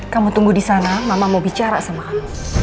kamu tunggu di sana mama mau bicara sama anak